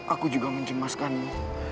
aku juga mencemaskanmu